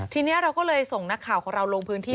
ทีนี้เราก็เลยส่งนักข่าวของเราลงพื้นที่